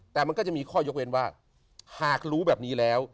แต่มันก็จะมีข้อยกเว้นว่าหากรู้แบบนี้แล้ว